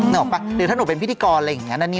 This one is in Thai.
นึกออกป่ะหรือถ้าหนูเป็นพิธีกรอะไรอย่างนี้นะเนี่ย